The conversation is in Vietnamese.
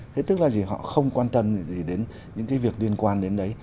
thế tức là gì họ không quan tâm gì đến những cái việc liên quan đến đấy